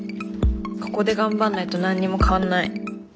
ここで頑張んないと何にも変わんない。